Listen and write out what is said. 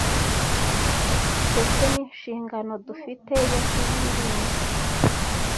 ndetse n’inshingano dufite yo kuyirinda